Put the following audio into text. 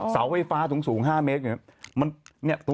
เสาไฟฟ้าสูง๕เมตรอย่างนี้